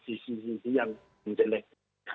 sisi sisi yang intelektual